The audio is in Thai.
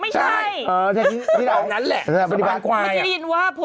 ใช่กันนี่เออ